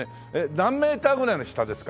何メーターぐらいの下ですか？